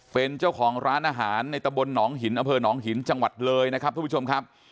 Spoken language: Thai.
เป็นเจ้าของร้านอาหารในตะบลหนองหินอำเภอหนองหินจังหวัดเลยนะครับทุกผู้ชมครับ